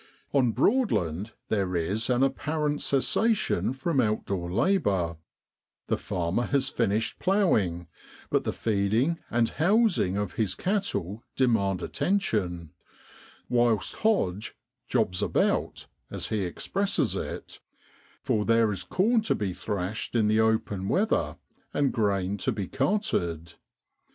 On Broadland there is an apparent cessation from outdoor labour; the farmer has finished ploughing, but the feeding and housing of his cattle demand attention; whilst Hodge jobs about,' as he expresses it, for there is corn to be thrashed in the open weather, and grain to be carted.